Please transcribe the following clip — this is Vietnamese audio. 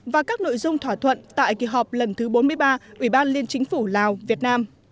và các nội dung thỏa thuận tại kỳ họp lần thứ bốn mươi ba ủy ban liên chính phủ lào việt nam